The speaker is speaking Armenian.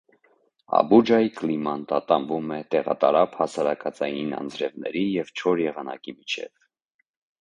Աբուջայի կլիման տատանվում է տեղատարափ հասարակածային անձրևների և չոր եղանակի միջև։